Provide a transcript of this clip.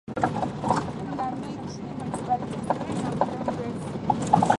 namake imekubalika sasa kwa muda mrefu